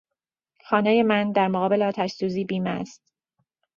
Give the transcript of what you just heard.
خانهی من در مقابل آتش سوزی بیمه است.